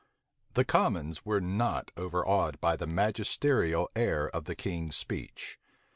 The commons were not overawed by the magisterial air of the king's speech.